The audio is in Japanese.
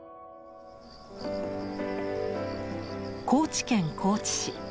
高知県高知市。